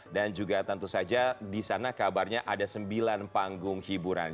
dan juga tentu saja disana kabarnya ada sembilan panggung hiburan